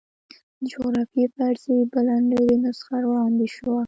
د جغرافیوي فرضیې بله نوې نسخه وړاندې شوه.